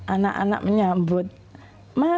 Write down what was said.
anak anak menyambut kami